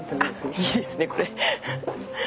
あいいですねこれ。